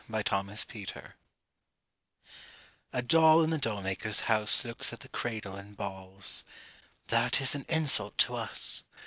II THE DOLLS A doll in the doll maker's house Looks at the cradle and balls: 'That is an insult to us.'